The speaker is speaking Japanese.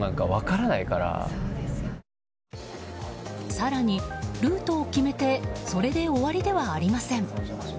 更に、ルートを決めてそれで終わりではありません。